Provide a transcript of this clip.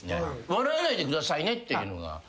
笑わないでくださいねっていうのが。